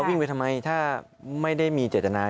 วิ่งไปทำไมถ้าไม่ได้มีเจตนา